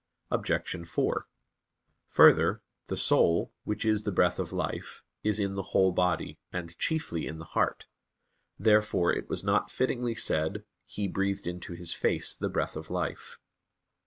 Obj. 4: Further, the soul, which is the breath of life, is in the whole body, and chiefly in the heart. Therefore it was not fittingly said: "He breathed into his face the breath of life."